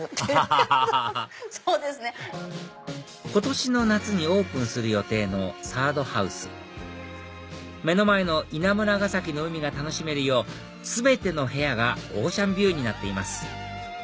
アハハハハ今年の夏にオープンする予定の３ｒｄＨＯＵＳＥ目の前の稲村ヶ崎の海が楽しめるよう全ての部屋がオーシャンビューになっています